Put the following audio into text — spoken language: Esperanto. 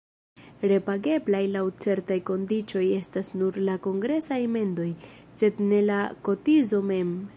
Repageblaj laŭ certaj kondiĉoj estas nur la kongresaj mendoj, sed ne la kotizo mem.